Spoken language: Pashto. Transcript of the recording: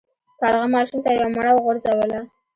کارغه ماشوم ته یوه مڼه وغورځوله.